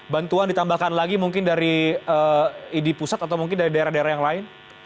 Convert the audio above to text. bantuan ditambahkan lagi mungkin dari idi pusat atau mungkin dari daerah daerah yang lain